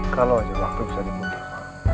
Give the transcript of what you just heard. kalau aja waktu bisa dipungkir pak